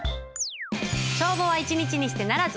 帳簿は一日して成らず。